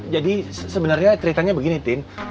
jadi sebenernya ceritanya begini tin